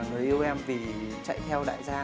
người yêu em vì chạy theo đại gia